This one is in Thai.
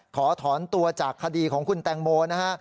ขอถอนตัวจากคดีของคุณแตงโมนะฮะ